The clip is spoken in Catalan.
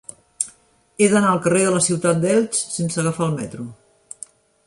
He d'anar al carrer de la Ciutat d'Elx sense agafar el metro.